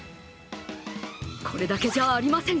これだけじゃありません。